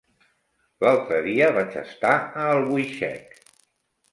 L'altre dia vaig estar a Albuixec.